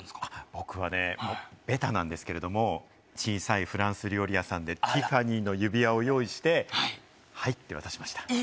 僕はね、ベタなんですけれど、小さいフランス料理屋さんで、ティファニーの指輪を用意して、はいって渡しました。